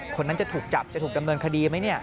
คนนั้นจะถูกจับจะถูกดำเนินคดีไหม